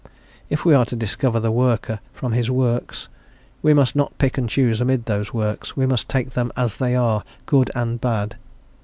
If we are to discover the Worker from his works we must not pick and choose amid those works; we must take them as they are, "good" and "bad."